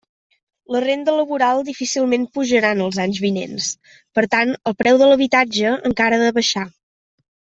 La renda laboral difícilment pujarà en els anys vinents; per tant, el preu de l'habitatge encara ha de baixar.